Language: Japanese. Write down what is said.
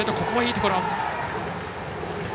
ここはいいところ。